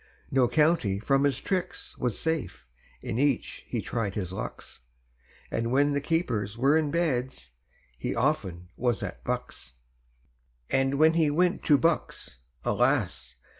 No county from his tricks was safe; In each he tried his lucks, And when the keepers were in Beds, He often was at Bucks. And when he went to Bucks, alas!